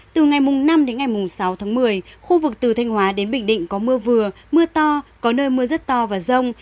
từ ngày năm đến ngày sáu tháng một mươi khu vực từ thanh hóa đến bình định có mưa vừa mưa to có nơi mưa rất to và rông